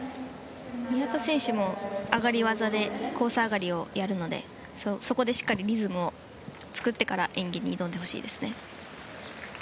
宮田選手も上がり技で交差上がりをするのでそこでしっかりリズムを作ってから演技に挑んでほしいですね。